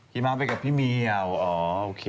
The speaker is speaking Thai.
มาไปกับพี่เมียวอ๋อโอเค